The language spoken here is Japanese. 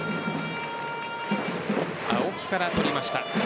青木から取りました。